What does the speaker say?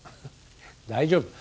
大丈夫。